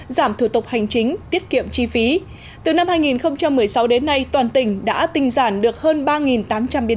giảm thủ tục hành chính tiết kiệm chi phí từ năm hai nghìn một mươi sáu đến nay toàn tỉnh đã tinh giản được hơn ba tám trăm linh biên chế